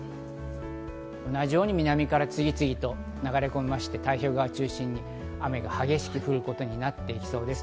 同じように南から次々と流れ込みまして太平洋側を中心に雨が激しく降ることになっていきそうです。